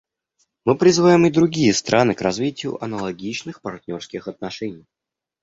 Мы призываем и другие страны к развитию аналогичных партнерских отношений.